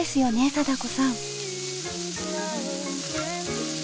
貞子さん。